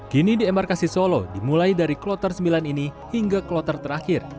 kini di emerkasi solo dimulai dari kelotor sembilan ini hingga kelotor terakhir